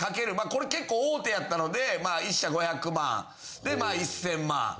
これ結構大手やったのでまあ１社５００万。でまあ１０００万。